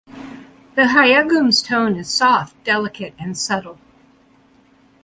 The Gayageum's tone is soft, delicate, and subtle.